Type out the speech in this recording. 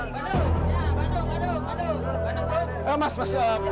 bandung bandung bandung bandung bandung bandung bandung